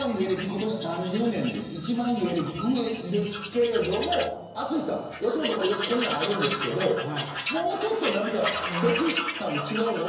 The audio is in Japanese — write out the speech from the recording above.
今年、芸歴３０年で芸歴一番上ですけど淳さん、よく吉本こんなんあるんですけどもうちょっと何かできたん違うの。